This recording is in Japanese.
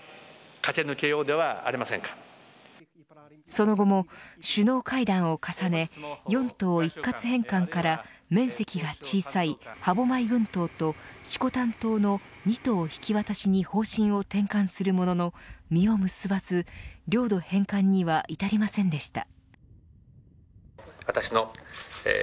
その後も、首脳会談を重ね４島一括返還から面積が小さい歯舞群島と色丹島の２島引き渡しに方針を転換するものの実を結ばず領土返還には至りませんでした。